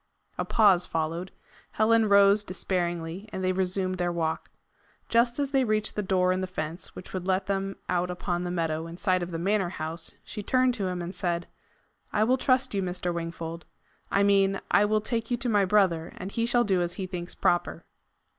A pause followed. Helen rose despairingly, and they resumed their walk. Just as they reached the door in the fence which would let them out upon the meadow in sight of the Manor house, she turned to him and said, "I will trust you, Mr. Wingfold. I mean, I will take you to my brother, and he shall do as he thinks proper."